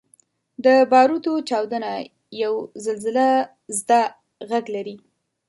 • د باروتو چاودنه یو زلزلهزده ږغ لري.